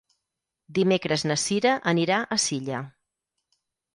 Dimecres na Cira anirà a Silla.